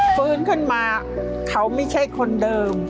ฟื้นขึ้นมาเขาไม่ใช่คนเดิม